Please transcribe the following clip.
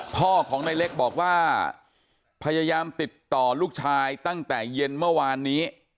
พ่อของในเล็กบอกว่าพยายามติดต่อลูกชายตั้งแต่เย็นเมื่อวานนี้